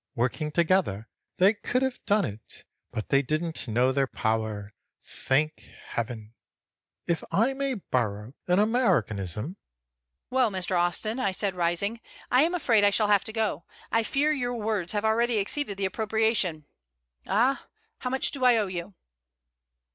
Working together, they could have done it, but they didn't know their power, thank Heaven! if I may borrow an Americanism." "Well, Mr. Austin," said I, rising, "I am afraid I shall have to go. I fear your words have already exceeded the appropriation. Ah how much do I owe you?"